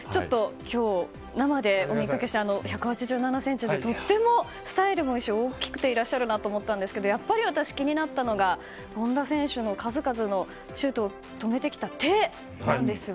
今日、生でお見かけして１８７ｃｍでとてもスタイルもいいし大きくていらっしゃるなと思ったんですがやっぱり私、気になったのが権田選手の数々のシュートを止めてきた手なんです。